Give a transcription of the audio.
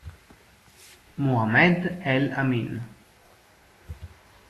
Muhammad El-Amin